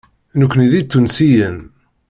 Nekkni d Itunsiyen.